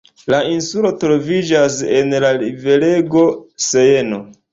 La insulo troviĝas en la riverego Sejno.